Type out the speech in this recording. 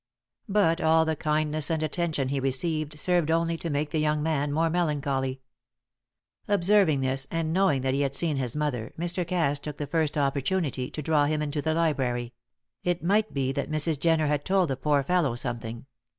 But all the kindness and attention he received served only to make the young man more melancholy. Observing this, and knowing that he had seen his mother, Mr. Cass took the first opportunity to draw him into the library: it might be that Mrs. Jenner had told the poor fellow something.